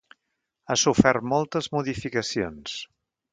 Ha sofert moltes modificacions.